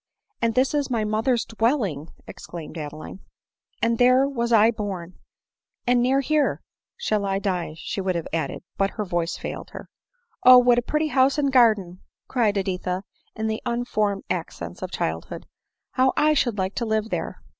—" And this is my mother's dwell ing !" exclaimed Adeline ;" and there was I born; and near here —" shall I die, she would have added but her voice failed her. "Oh! what a pretty house and garden!" cried Edi tha in the unformed accents of childhood ;—" how I should like to live there